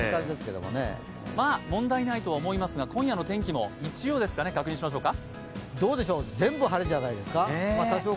問題ないと思いますが、今夜の天気も日曜ですかね確認しましょうか。